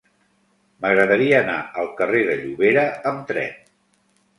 M'agradaria anar al carrer de Llobera amb tren.